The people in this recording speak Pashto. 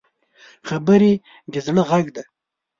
خبرې د زړه غږ دی